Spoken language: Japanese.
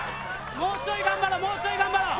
・もうちょい頑張ろうもうちょい頑張ろう。